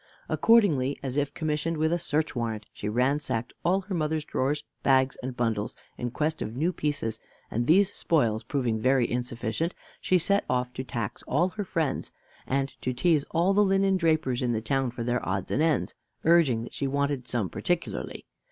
Accordingly, as if commissioned with a search warrant, she ransacked all her mother's drawers, bags, and bundles in quest of new pieces; and these spoils proving very insufficient, she set off to tax all her friends, and to tease all the linen drapers in the town for their odds and ends, urging that she wanted some particularly.